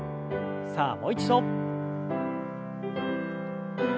さあもう一度。